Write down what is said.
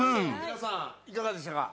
皆さんいかがでしたか？